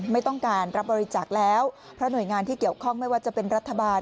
ไม่ต้องการรับบริจาคแล้วเพราะหน่วยงานที่เกี่ยวข้องไม่ว่าจะเป็นรัฐบาล